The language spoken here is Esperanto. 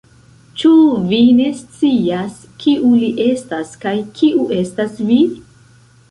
Ĉu vi ne scias, kiu li estas, kaj kiu estas vi?